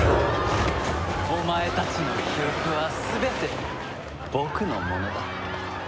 お前たちの記憶は全て僕のものだ。